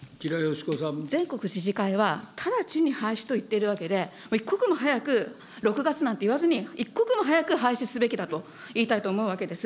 全国知事会は、直ちに廃止と言っているわけで、一刻も早く６月なんていわずに、一刻も早く廃止すべきだと言いたいわけです。